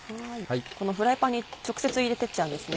このフライパンに直接入れてっちゃうんですね。